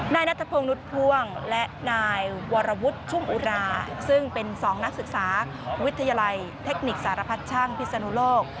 นายนัทพงศ์นุษย์พ่วงและนายวรวุฒิชุ่มอุราซึ่งเป็น๒นักศึกษาวิทยาลัยเทคนิคสารพัดช่างพิศนุโลก